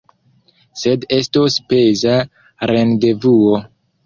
Sed estos peza rendevuo.